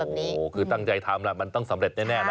ถ้าใครมีความตั้งใจทำแล้วมันต้องสำเร็จแน่นะครับ